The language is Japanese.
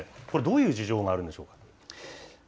これどういう事情があるんでしょう。